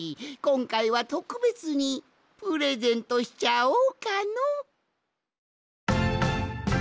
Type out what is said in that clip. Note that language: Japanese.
こんかいはとくべつにプレゼントしちゃおうかの。